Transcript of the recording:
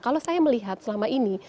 kalau saya melihat selama ini